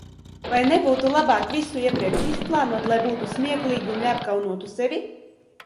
Vai nebūtu labāk visu iepriekš izplānot, lai būtu smieklīgi un neapkaunotu sevi?